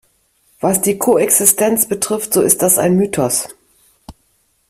Was die Koexistenz betrifft, so ist das ein Mythos.